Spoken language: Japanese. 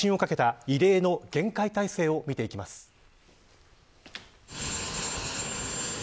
日本の威信をかけた異例の厳戒態勢を見ていきます。